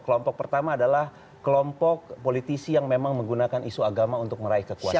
kelompok pertama adalah kelompok politisi yang memang menggunakan isu agama untuk meraih kekuasaan